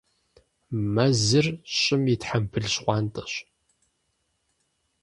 Мэзыр щӀым и «тхьэмбыл щхъуантӀэщ».